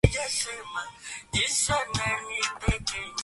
ushauri wa afisa kilimo ni vyema ukafatwa na wakulima